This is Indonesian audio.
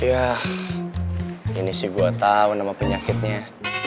yah ini sih gue tau nama penyakitnya